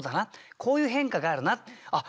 こういう変化があるなあっ